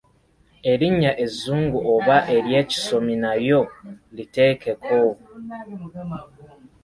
Erinnya ezzungu oba ery’ekisomi nalyo liteekeko.